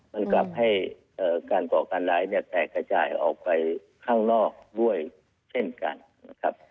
มันกลับให้การก่อการร้ายเนี่ยแตกกระจายออกไปข้างนอกด้วยเช่นกันนะครับ